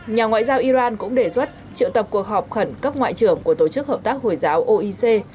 nhà ngoại giao iran cũng đề xuất triệu tập cuộc họp khẩn cấp ngoại trưởng của tổ chức hợp tác hồi giáo oic